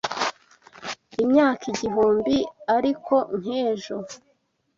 Imyaka igihumbi ariko nk'ejo;